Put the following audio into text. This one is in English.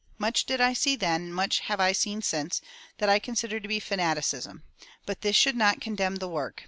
Much did I see then, and much have I seen since, that I consider to be fanaticism; but this should not condemn the work.